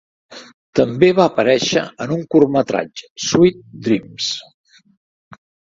També va aparèixer en un curtmetratge, "Sweet Dreams".